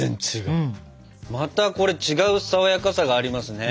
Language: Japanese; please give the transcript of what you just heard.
またこれ違う爽やかさがありますね。